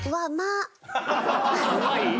うまい？